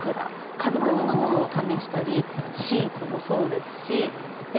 数々のものを試したりシーツもそうですしで